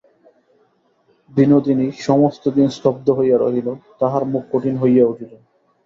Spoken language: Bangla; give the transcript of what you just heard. বিনোদিনী সমস্ত দিন স্তব্ধ হইয়া রহিল, তাহার মুখ কঠিন হইয়া উঠিল।